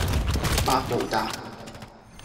百慕達